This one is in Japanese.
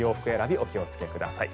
お気をつけください。